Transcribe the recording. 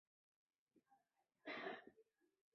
有煤炭资源。